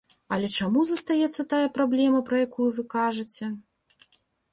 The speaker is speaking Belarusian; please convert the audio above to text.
Але чаму застаецца тая праблема, пра якую вы кажаце?